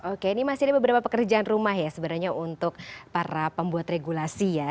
oke ini masih ada beberapa pekerjaan rumah ya sebenarnya untuk para pembuat regulasi ya